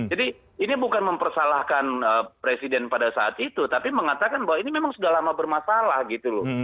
jadi ini bukan mempersalahkan presiden pada saat itu tapi mengatakan bahwa ini memang sudah lama bermasalah gitu loh